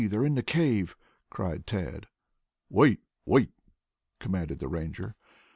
They're in the cave," cried Tad. "Wait, wait!" commanded the Ranger.